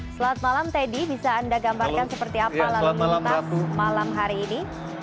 selamat malam teddy bisa anda gambarkan seperti apa lalu lintas malam hari ini